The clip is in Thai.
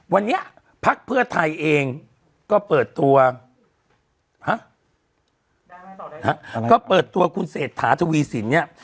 วันนี้พักเพื่อไทยเองก็เปิดตัวฮะก็เปิดตัวคุณเศรษฐาทวีสินเนี่ย